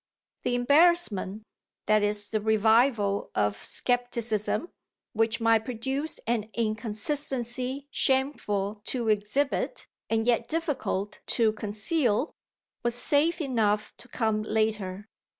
The embarrassment, that is the revival of scepticism, which might produce an inconsistency shameful to exhibit and yet difficult to conceal, was safe enough to come later.